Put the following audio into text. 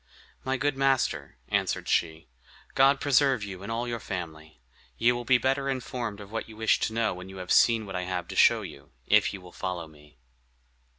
"My good master," answered she, "God preserve you and all your family. You will be better informed of what you wish to know when you have seen what I have to show you, if you will follow me."